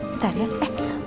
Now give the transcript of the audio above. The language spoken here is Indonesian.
bentar ya eh